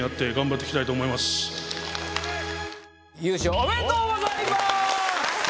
おめでとうございます！